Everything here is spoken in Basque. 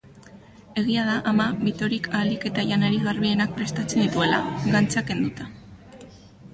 Egia da ama Bittorik ahalik eta janari garbienak prestatzen dituela, gantza kenduta.